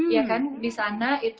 ya kan di sana